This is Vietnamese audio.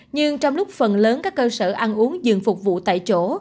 nhưng trong lúc phần lớn các cơ sở ăn uống giường phục vụ tại chỗ